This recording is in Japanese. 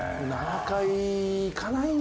７階いかない。